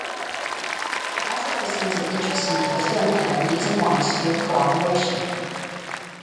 It also presumes an interest in the fulfillment of needs and wants through cooperation.